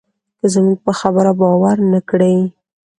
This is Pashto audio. که زموږ په خبره باور نه کړې.